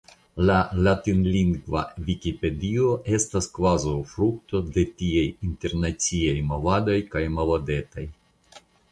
La latinlingva Vikipedio estas kvazaŭ frukto de tiaj internaciaj movadoj kaj movadetoj.